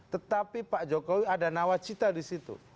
tetapi pak jokowi ada nawacita di situ